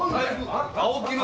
あ青木の！